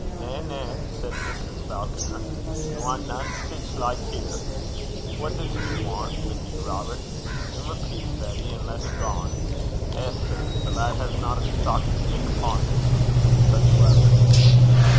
'Na, na,' said Mrs. Falconer. 'We want nane sic like here. What does he want wi' you, Robert? Gie him a piece, Betty, and lat him gang. Eh, sirs! the callant hasna a stockin' fit upo' 'im and in sic weather!'